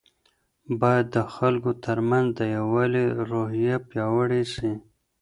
باید د خلګو ترمنځ د یووالي روحیه پیاوړې سي.